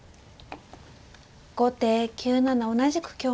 後手９七同じく香成。